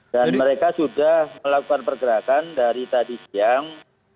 dan mereka sudah melakukan pergerakan dari tadi siang